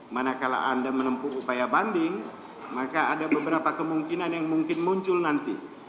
manakala anda menempuh upaya banding maka ada beberapa kemungkinan yang mungkin muncul nanti